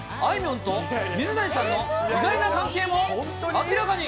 んと水谷さんの意外な関係も明らかに。